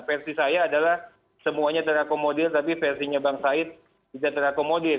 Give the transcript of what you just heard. versi saya adalah semuanya terakomodir tapi versinya bang said bisa terakomodir